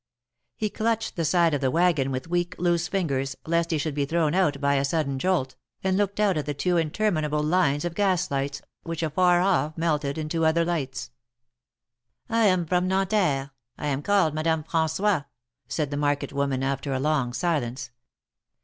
He clutched the side of the wagon with THE MARKETS OF PARIS. 25 weak, loose fingers, lest he should be thrown out by a sudden jolt, and looked out at the two interminable lines of gas lights, which afar off melted into other lights. I am from Nanterre. I am called Madame rran9ois," said the market woman, after a long silence.